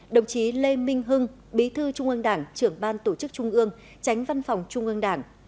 đồng chí lê minh hưng bí thư trung ương đảng trưởng ban tổ chức trung ương tránh văn phòng trung ương đảng